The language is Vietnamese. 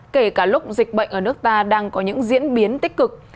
kể cả lúc dịch bệnh ở nước ta đang có những diễn biến tích cực